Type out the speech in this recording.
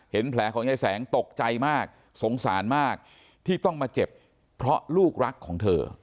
เห็นแผลของยายแสงตกใจมากสงสารมากที่ต้องมาเจ็บเพราะลูกรักของเธอ